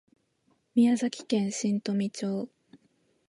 宮崎県新富町